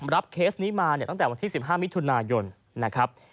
เคสนี้มาเนี่ยตั้งแต่วันที่๑๕มิถุนายนนะครับ